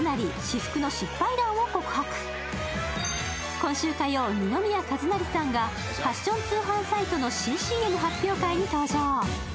今週火曜、二宮和也さんがファッション通販サイトの新ＣＭ発表会に登場。